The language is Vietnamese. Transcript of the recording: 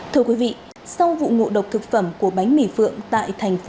thưa quý vị sau vụ ngộ độc thực phẩm của bánh mì phượng tại thành phố